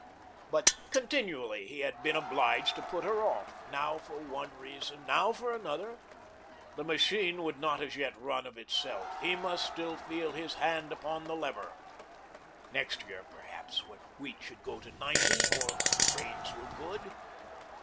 But continually he had been obliged to put her off, now for one reason, now for another; the machine would not as yet run of itself, he must still feel his hand upon the lever; next year, perhaps, when wheat should go to ninety, or the rains were good.